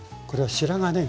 白髪ねぎ